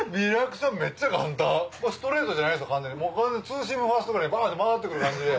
もうツーシームファーストぐらいバンって回ってくる感じで。